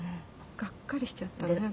がっかりしちゃったのね私」